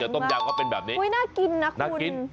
ต้มยางก็เป็นแบบนี้น่ากินน่ะคุณน่ากิน